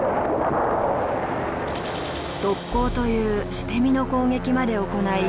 特攻という捨て身の攻撃まで行い。